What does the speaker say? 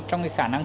trong cái khả năng